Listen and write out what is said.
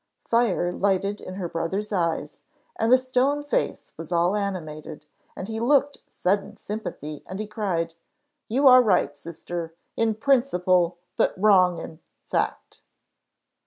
'" Fire lighted in her brother's eyes, and the stone face was all animated, and he looked sudden sympathy, and he cried, "You are right, sister, in principle, but wrong in fact."